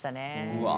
うわ。